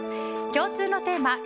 共通のテーマ